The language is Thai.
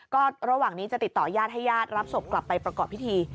ก็ระหว่างนี้จะติดต่อญาติให้ญาติรับศพกลับไปประกอบพิธี